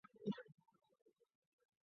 全世界其他地方的华人